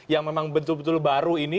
yang memang betul betul baru ini